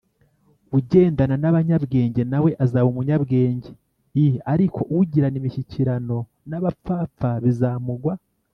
Ugendana n abanyabwenge na we azaba umunyabwenge i ariko ugirana imishyikirano n abapfapfa bizamugwa